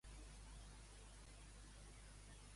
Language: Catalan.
Què va fer Mèlite en ell?